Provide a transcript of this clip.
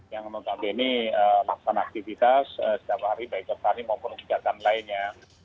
yang mengabini laksan aktivitas setiap hari baik tertanimu maupun kejadian lainnya